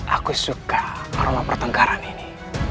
aku suka aroma pertengkaran ini